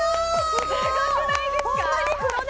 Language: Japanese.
スゴくないですか？